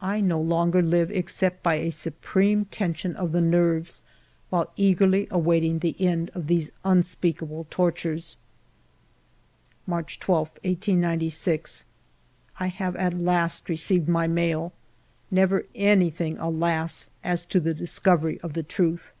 I no longer live except by a supreme tension of the nerves, while eagerly awaiting the end of these unspeakable tortures. March 12, 1896. I have at last received my mail. Never any thing, alas ! as to the discovery of the truth.